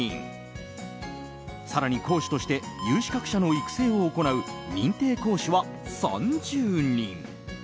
更に講師として有資格者の育成を行う認定講師は３０人。